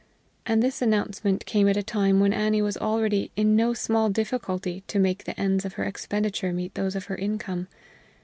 And this announcement came at a time when Annie was already in no small difficulty to make the ends of her expenditure meet those of her income.